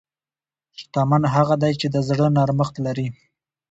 شتمن هغه دی چې د زړه نرمښت لري.